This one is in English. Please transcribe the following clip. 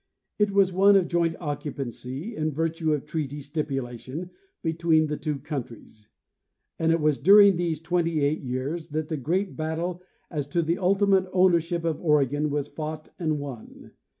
It was one of joint occu pancy in virtue of treaty stipulation between the two countries, and it was during these twenty eight years that the great battle as to the ultimate ownership of Oregon was fought and won.